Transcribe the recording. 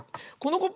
コップ。